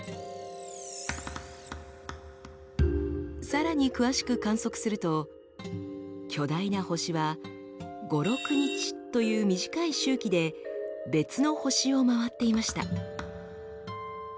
さらに詳しく観測すると巨大な星は５６日という短い周期で別の星を回っていました。